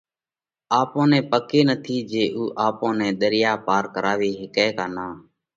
آپون نئہ پڪ ئي نٿِي جي اُو آپون نئہ ۮريا پار ڪراوي هيڪئه ڪا نان؟